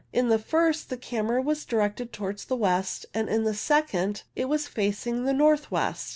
In the first the camera was directed towards the west, and in the second it was facing the north west.